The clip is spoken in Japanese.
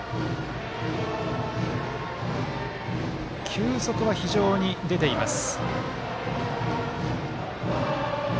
球速は非常に出ています。